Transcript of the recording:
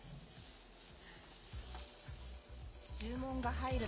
注文が入ると。